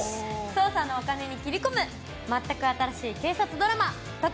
捜査のお金に切り込む全く新しい警察ドラマ